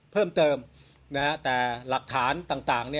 เพิ่มเติมแต่หลักฐานต่าง